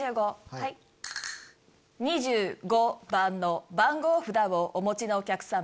２５番の番号札をお持ちのお客様。